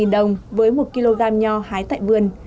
hai trăm linh đồng với một kg nho hái tại vườn